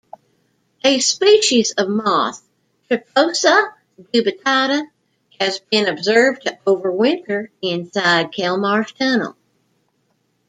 A species of moth "Triphosa dubitata" has been observed to overwinter inside Kelmarsh Tunnel.